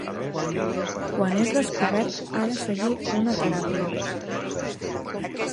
Quan és descobert, ha de seguir una teràpia.